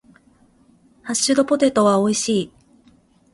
ハッシュドポテトは美味しい。